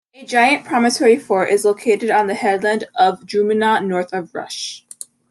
A giant promontory fort is located on the headland of Drumanagh, north of Rush.